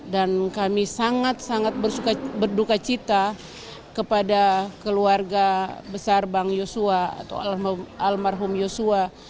dan kami sangat sangat berdukacita kepada keluarga besar bang joshua atau almarhum joshua